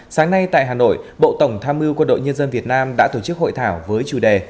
sáng nay tại hà nội bộ tổng tham mưu quân đội nhân dân việt nam đã tổ chức hội thảo với chủ đề